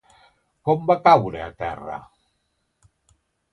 Com va caure a terra?